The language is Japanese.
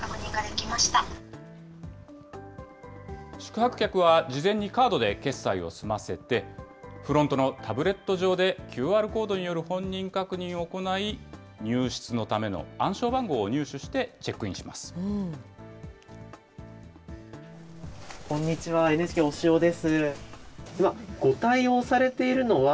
宿泊客は事前にカードで決済を済ませて、フロントのタブレット上で、ＱＲコードによる本人確認を行い、入室のための暗証番号を入手してこんにちは、ＮＨＫ、押尾です。